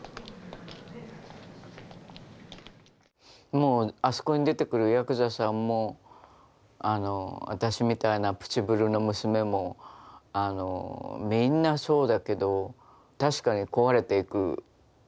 もうあそこに出てくるヤクザさんも私みたいなプチブルの娘もみんなそうだけど確かに壊れていく。